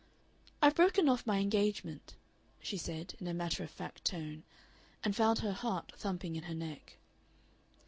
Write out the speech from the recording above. "I've broken off my engagement," she said, in a matter of fact tone, and found her heart thumping in her neck.